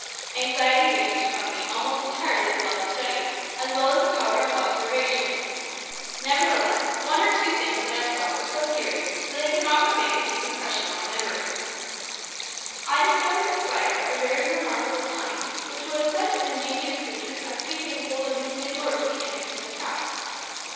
Anxiety banished from me almost entirely the love of study, as well as the power of observation. Nevertheless, one or two things that I saw were so curious that they could not but make a deep impression on my memory. I discovered a spider of a very remarkable kind, which was such an ingenious creature as to be capable of making a door to the entrance of its house.